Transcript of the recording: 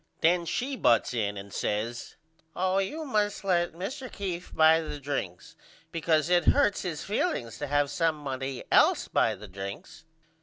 Then she butts in and says Oh you must let Mr. Keefe buy the drinks because it hurts his feelings to have somebody else buy the drinks.